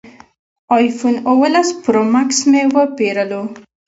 ایفون اوولس پرو ماکس مې وپېرلو